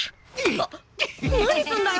あっ何すんだよ！